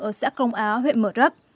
ở xã công á huyện mợt rắc